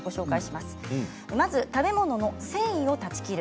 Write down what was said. まず食べ物の繊維を断ち切る。